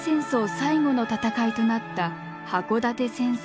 最後の戦いとなった箱館戦争。